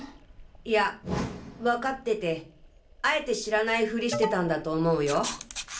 いやわかっててあえて知らないフリしてたんだと思うよ。